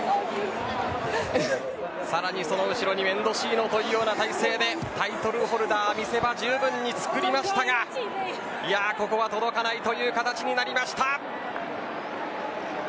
さらにその後ろにメンドシーノという体勢でタイトルホルダー、見せ場じゅうぶんに作りましたがここは届かないという形になりました。